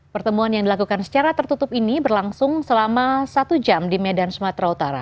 pertemuan yang dilakukan secara tertutup ini berlangsung selama satu jam di medan sumatera utara